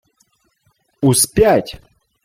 — У сп'ять!